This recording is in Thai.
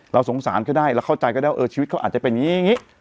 เราสงสารเขาได้เราเข้าใจก็ได้ว่าชีวิตเขาอาจจะเป็นอย่างนี้